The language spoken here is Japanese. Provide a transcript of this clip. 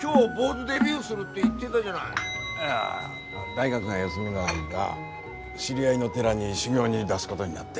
大学が休みの間知り合いの寺に修行に出すごどになって。